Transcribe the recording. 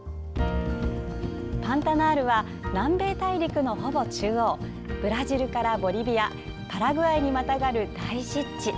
パンタナールは南米大陸のほぼ中央ブラジルからボリビアパラグアイにまたがる大湿地。